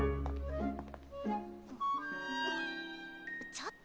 ちょっと！